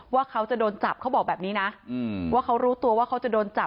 ว่าเขาจะโดนจับเขาบอกแบบนี้นะว่าเขารู้ตัวว่าเขาจะโดนจับ